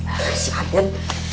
aduh si aden